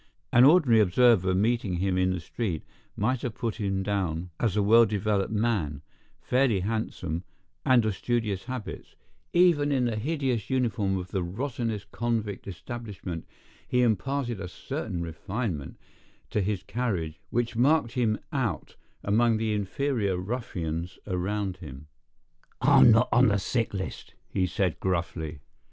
An ordinary observer meeting him in the street might have put him down as a well developed man, fairly handsome, and of studious habits—even in the hideous uniform of the rottenest convict establishment he imparted a certain refinement to his carriage which marked him out among the inferior ruffians around him. "I'm not on the sick list," he said, gruffly.